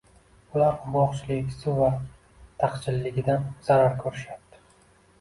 Ular qurgʻoqchilik, suv taqchilligidan zarar koʻrishayapti.